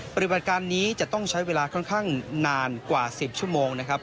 ปฏิบัติการนี้จะต้องใช้เวลาค่อนข้างนานกว่า๑๐ชั่วโมงนะครับ